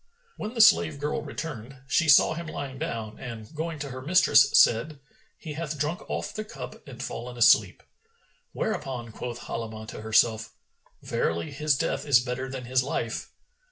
When the slave girl returned, she saw him lying down and going to her mistress said, "He hath drunk off the cup and fallen asleep;" whereupon quoth Halimah to herself, "Verily, his death is better than his life."